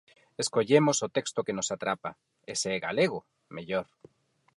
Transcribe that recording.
Escollemos o texto que nos atrapa, e se é galego mellor.